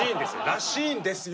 らしいんですよ